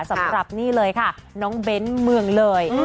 สำหรับนี่เลยค่ะน้องเบ้นเมืองเลย